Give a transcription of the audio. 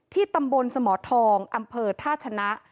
ตำบลสมทองอำเภอท่าชนะ